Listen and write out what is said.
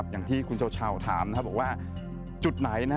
อย่างที่คุณเจ้าเช้าถามนะครับว่าจุดไหน